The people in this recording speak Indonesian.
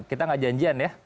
kita nggak janjian ya